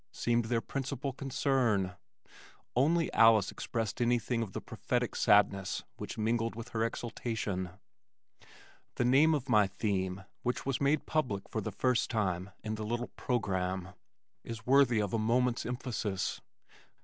seemed their principal concern. Only Alice expressed anything of the prophetic sadness which mingled with her exultation. The name of my theme, (which was made public for the first time in the little programme) is worthy of a moment's emphasis.